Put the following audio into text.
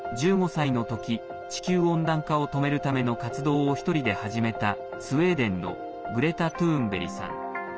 １５歳の時、地球温暖化を止めるための活動を１人で始めたスウェーデンのグレタ・トゥーンベリさん。